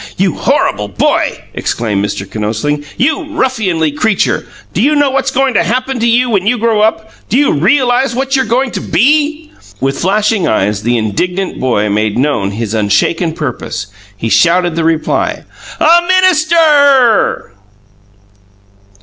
"You horrible boy!" exclaimed Mr. Kinosling. "You ruffianly creature! Do you know what's going to happen to you when you grow up? Do you realize what you're going to BE!" With flashing eyes, the indignant boy made know his unshaken purpose. He shouted the reply: "A minister!"